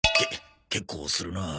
け結構するなあ。